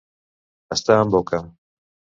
Estar en boca.